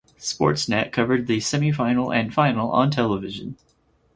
Sportsnet covered the semifinal and final on television.